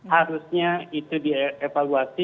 harusnya itu dievaluasi